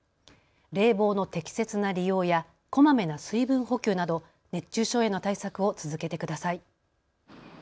冷房の適切な利用やこまめな水分補給など熱中症への対策を続けてください。